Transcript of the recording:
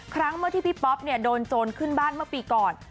ครั้งเมื่อที่พี่ป๊อปโดนโจรขึ้นบ้านเมื่อปีก่อน